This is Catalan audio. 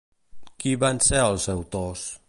Qui van ser els autors?